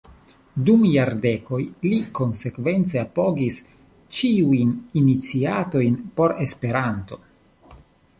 Dum jardekoj li konsekvence apogis ĉiujn iniciatojn por Esperanto.